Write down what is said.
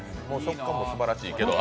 すごくすばらしいけど。